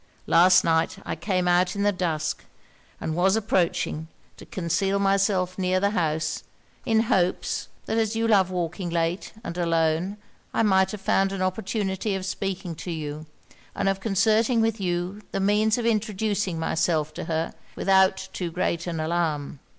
Last night I came out in the dusk, and was approaching, to conceal myself near the house, in hopes, that as you love walking late, and alone, I might have found an opportunity of speaking to you, and of concerting with you the means of introducing myself to her without too great an alarm.'